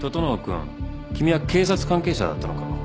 整君君は警察関係者だったのか。